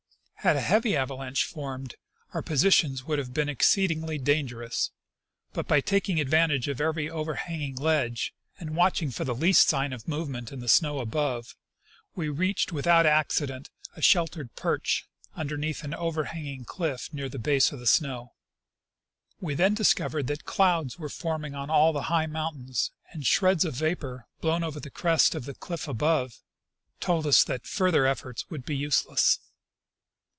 Had a heavy avalanche formed, our position would have been exceedingly dan gerous; but by taking advantage of every overhanging ledge, and watching for the least sign of movement in the snow above, we reached without accident a sheltered perch underneath an over hanging cliff near the base of the snow. We then discovered that clouds were forming on all the high mountains, and shreds of vapor blown over the crest of the cliff above told us that fur ther efforts would be useless.